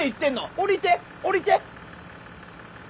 降りて降りて。